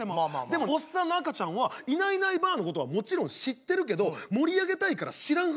でもおっさんの赤ちゃんはいないいないばあのことはもちろん知ってるけど盛り上げたいから知らんふりしてくれるから。